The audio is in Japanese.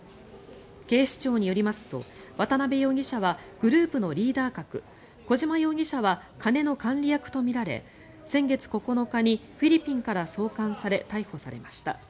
警視庁によりますと渡邉容疑者はグループのリーダー格小島容疑者は金の管理役とみられ先月９日にフィリピンから送還され逮捕されました。